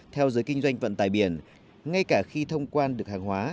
theo giới kinh doanh vận tải biển ngay cả khi thông quan được hàng hóa